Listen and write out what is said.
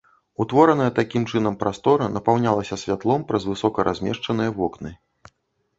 Утвораная такім чынам прастора напаўнялася святлом праз высока размешчаныя вокны.